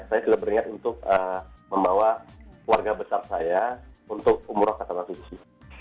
saya sudah beringat untuk membawa warga besar saya untuk umroh ke tanah suci